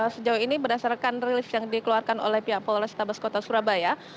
sejauh ini berdasarkan rilis yang dikeluarkan oleh pihak polrestabes kota surabaya